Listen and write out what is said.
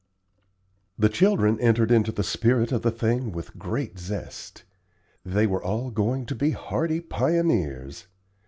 The children entered into the spirit of the thing with great zest. They were all going to be hardy pioneers.